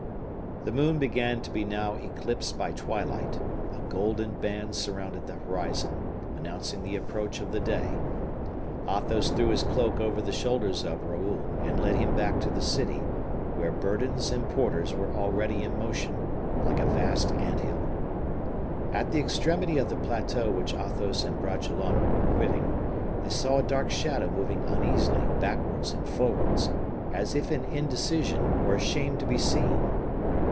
The moon began to be now eclipsed by twilight; a golden band surrounded the horizon, announcing the approach of the day. Athos threw his cloak over the shoulders of Raoul, and led him back to the city, where burdens and porters were already in motion, like a vast ant hill. At the extremity of the plateau which Athos and Bragelonne were quitting, they saw a dark shadow moving uneasily backwards and forwards, as if in indecision or ashamed to be seen.